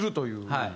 はい。